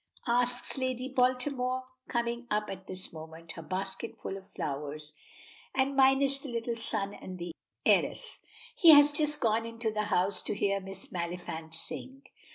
asks Lady Baltimore, coming up at this moment, her basket full of flowers, and minus the little son and the heiress; "he has just gone into the house to hear Miss Maliphant sing.